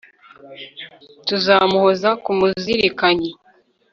tuzamuhoza ku muzirikanyi